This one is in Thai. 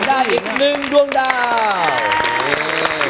ได้อีก๑ดวงดาว